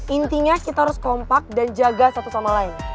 intinya kita harus kompak dan jaga satu sama lain